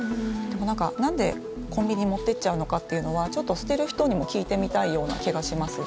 何でコンビニに持って行っちゃうのかというのは捨てる人にも聞いてみたいような気がします。